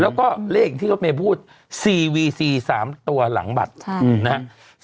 แล้วก็เลขที่เขามาพูดสี่วีสี่สามตัวหลังบัตรใช่นะฮะ